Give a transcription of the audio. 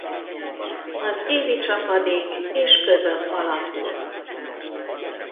Az évi csapadék és között alakul.